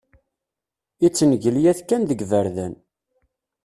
Ittengelyat kan deg iberdan.